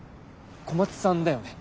小松さんだよね？